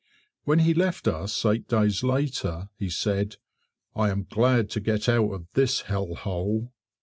When he left us eight days later he said, "I am glad to get out of this hell hole."